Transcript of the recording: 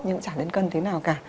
nhưng cũng chả lên cân thế nào cả